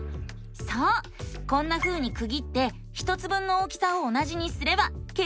こんなふうにくぎって１つ分の大きさを同じにすれば計算できるんだよね！